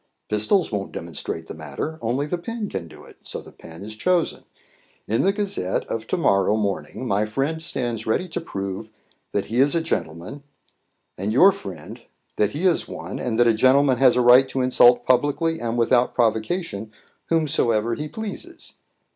Pistols won't demonstrate the matter; only the pen can do it, so the pen is chosen. In the Gazette of to morrow morning my friend stands ready to prove that he is a gentleman; and your friend that he is one, and that a gentleman has a right to insult publicly and without provocation whomsoever he pleases.